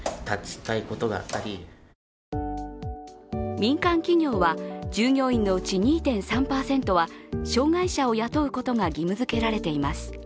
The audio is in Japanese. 民間企業は従業員のうち２．３％は障害者を雇うことが義務づけられています。